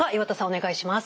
お願いします。